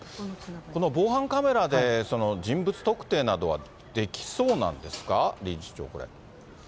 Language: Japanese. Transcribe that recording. この防犯カメラで人物特定などはできそうなんですか、理事長、これ。